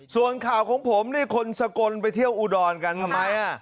ส่วนข่าวของผมนี่คนสกลไปเที่ยวอุดรกันทำไม